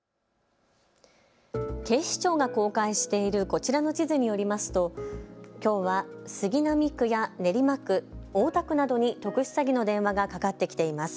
警視庁が公開しているこちらの地図によりますときょうは杉並区や練馬区、大田区などに特殊詐欺の電話がかかってきています。